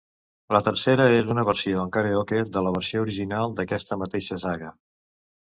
La tercera és una versió en karaoke de la versió original d'aquesta mateixa saga.